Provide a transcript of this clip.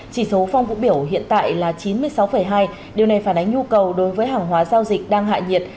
chỉ số phong vũ biểu hiện tại là chín mươi sáu hai điều này phản ánh nhu cầu đối với hàng hóa giao dịch đang hạ nhiệt